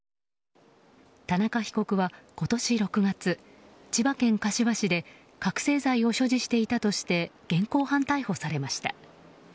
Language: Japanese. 田中被告は、今年６月千葉県柏市で覚醒剤を所持していたとして現行犯逮捕されました。